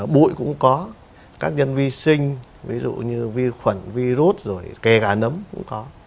bụi cũng có các nhân vi sinh ví dụ như vi khuẩn vi rút kề gà nấm cũng có